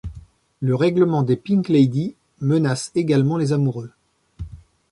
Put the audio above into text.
Le règlement des Pink Lady menace également les amoureux.